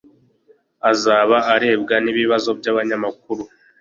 azaba arebwa n'ibibazo by'abanyamakuru